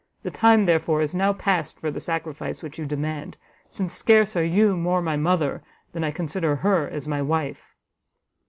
The time, therefore, is now past for the sacrifice which you demand, since scarce are you more my mother, than I consider her as my wife."